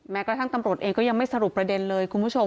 กระทั่งตำรวจเองก็ยังไม่สรุปประเด็นเลยคุณผู้ชม